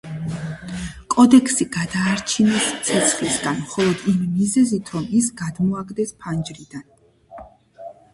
კოდექსი გადაარჩინეს ცეცხლისგან, მხოლოდ იმ მიზეზით რომ ის გადმოაგდეს ფანჯრიდან.